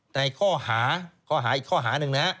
ในข้อหาอีกข้อหาหนึ่ง